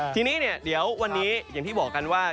ทีนี้เนี่ยเดี๋ยววันนี้อย่างที่บอกกันว่า